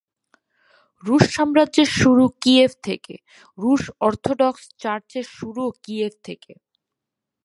রুশ সাম্রাজ্যের শুরু কিয়েভ থেকে, রুশ অর্থোডক্স চার্চের শুরুও কিয়েভ থেকে।